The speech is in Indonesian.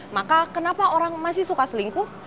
maka kenapa orang masih suka selingkuh